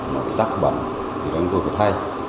nó bị tắc bẩn thì chúng tôi phải thay